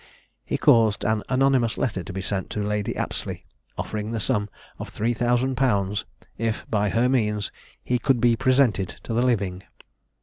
He caused an anonymous letter to be sent to Lady Apsley, offering the sum of three thousand pounds if by her means he could be presented to the living.